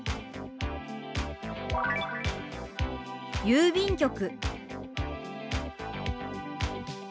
「郵便局」。